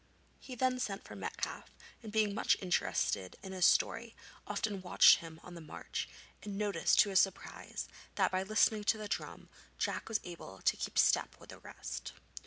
He then sent for Metcalfe, and being much interested in his story often watched him on the march, and noticed, to his surprise, that, by listening to the drum, Jack was able to keep step with the rest.